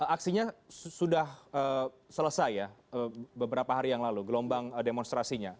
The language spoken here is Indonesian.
aksinya sudah selesai ya beberapa hari yang lalu gelombang demonstrasinya